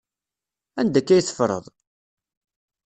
Anda akka ay teffreḍ?